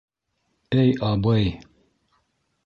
Эй абый...